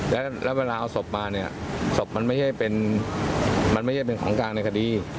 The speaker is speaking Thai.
แล้วเวลาเอาสบมาสบมันไม่ใช่เป็นของกลางในคดี